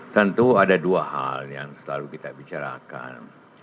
tentu ada dua hal yang selalu kita bicarakan